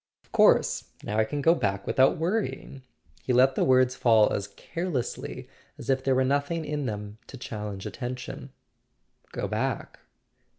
"Of course. Now I can go back without worrying." He let the words fall as carelessly as if there were noth¬ ing in them to challenge attention. "Go back?"